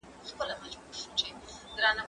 زه مخکې کار کړی و؟!